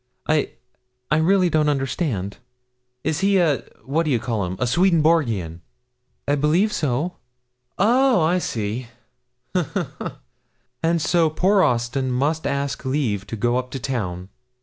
'I I really don't understand.' 'Is he a what d'ye call'em a Swedenborgian?' 'I believe so.' 'Oh, I see; ha, ha, ha! And so poor Austin must ask leave to go up to town.